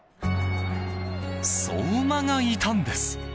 相馬がいたんです。